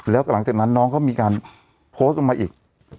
แล้วก็หลังจากนั้นน้องก็มีการโพสต์ออกมาอีก